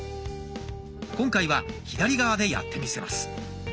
今回は左側でやってみせます。